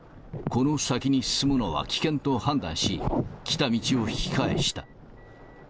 この先に進むのは危険と判断し、来た道を引き返した。